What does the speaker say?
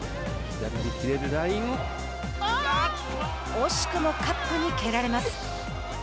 惜しくもカップに蹴られます。